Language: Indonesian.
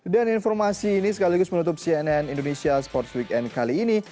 dan informasi ini sekaligus menutup cnn indonesia sports weekend kali ini